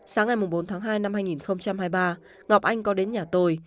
sáng ngày bốn tháng hai năm hai nghìn hai mươi ba ngọc anh có đến nhà tôi